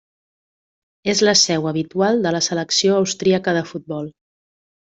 És la seu habitual de la selecció austríaca de futbol.